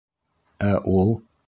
Ә ул?